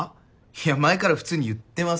いや前から普通に言ってます。